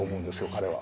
彼は。